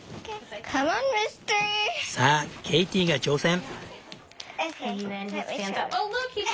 さあケイティが挑戦。